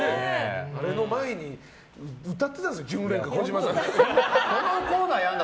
あれの前に歌ってたんですよ「巡恋歌」を児嶋さんが。